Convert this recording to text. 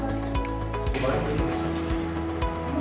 terdapat juga unit untuk pembangunan